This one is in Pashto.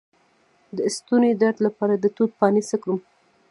د ستوني درد لپاره د توت پاڼې څه کړم؟